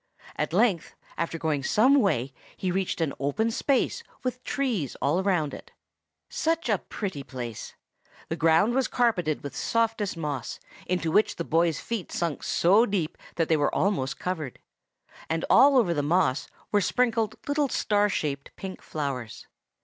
At length, after going some way, he reached an open space, with trees all round it. Such a pretty place! The ground was carpeted with softest moss, into which the boy's feet sunk so deep that they were almost covered; and all over the moss were sprinkled little star shaped pink flowers.